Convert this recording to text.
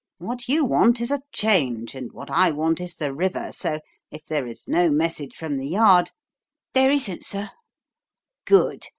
What you want is a change; and what I want is the river, so, if there is no message from The Yard " "There isn't, sir." "Good.